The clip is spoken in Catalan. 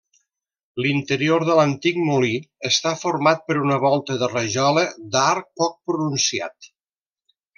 L'interior de l'antic molí està format per una volta de rajola d'arc poc pronunciat.